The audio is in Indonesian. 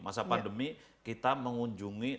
masa pandemi kita mengunjungi enam puluh enam juta